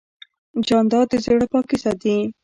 جانداد د زړه پاکي ساتي.